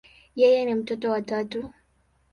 Yeye ni mtoto wa tatu.